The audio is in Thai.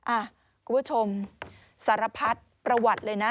อ่ะคุณผู้ชมสารพัดประวัติเลยนะ